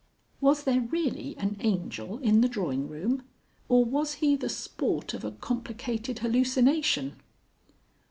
Was there really an angel in the drawing room? Or was he the sport of a complicated hallucination?